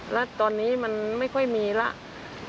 แล้วตอนนี้มันไม่ค่อยมีแล้ว